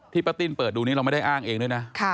ป้าติ้นเปิดดูนี้เราไม่ได้อ้างเองด้วยนะ